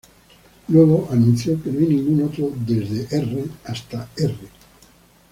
Luego anunció que no hay ningún otro desde "R" hasta "R".